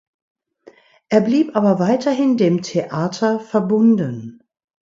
Er blieb aber weiterhin dem Theater verbunden.